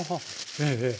ええええ。